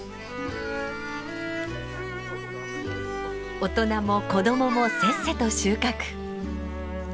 大人も子供もせっせと収穫。